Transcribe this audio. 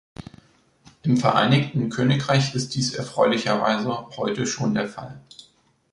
Im Vereinigten Königreich ist dies erfreulicherweise heute schon der Fall.